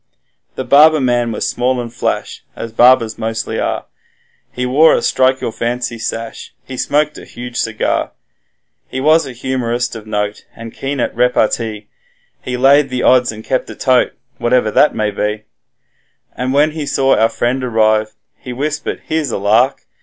The barber man was small and flash, as barbers mostly are, He wore a strike your fancy sash, he smoked a huge cigar: He was a humorist of note and keen at repartee, He laid the odds and kept a 'tote', whatever that may be, And when he saw our friend arrive, he whispered 'Here's a lark!